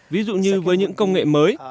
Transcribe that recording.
ví dụ như với những công nghệ mới